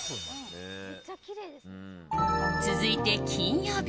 続いて金曜日。